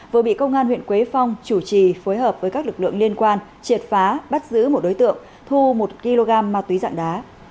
vừa bị công an huyện quế phong chủ trì phối hợp với các lực lượng liên quan triệt phá bắt giữ một đối tượng thu một kg ma túy dạng đá